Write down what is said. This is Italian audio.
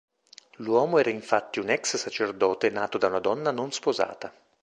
L'uomo era infatti un ex sacerdote nato da una donna non sposata.